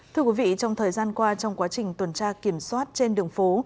thưa quý vị trong thời gian qua trong quá trình tuần tra kiểm soát trên đường phố